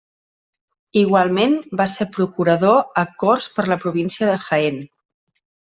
Igualment va ser procurador a Corts per la província de Jaén.